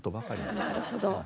なるほど。